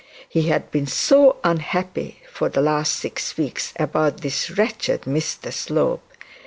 He had been so unhappy for the last six weeks about this wretched Mr Slope!